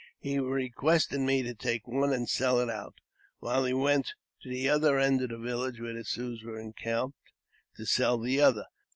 He requested me to take one and sell it out, while he went to the other end of the village, where the Siouxs were encamped, to sell the other.